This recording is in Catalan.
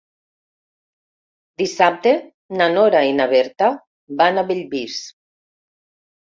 Dissabte na Nora i na Berta van a Bellvís.